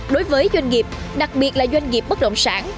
đối với doanh nghiệp đặc biệt là doanh nghiệp bất động sản